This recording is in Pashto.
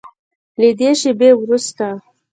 له دې شیبې وروسته